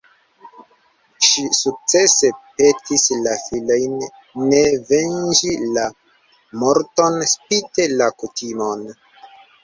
Ŝi sukcese petis la filojn ne venĝi la morton spite la kutimon.